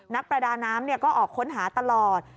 นักประดาน้ำก็ออกค้นหาตลอด